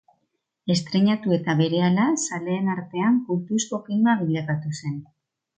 Estreinatu eta berehala zaleen artean kultuzko filma bilakatu zen.